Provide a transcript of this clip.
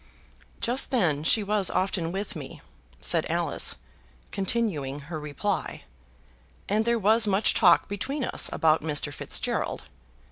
"Just then she was often with me," said Alice, continuing her reply; "and there was much talk between us about Mr. Fitzgerald.